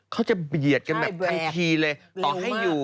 เขาจะเบียดกันแบบทันทีเลย